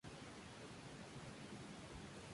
Tal como su hermano mayor, Charles nació en Epworth.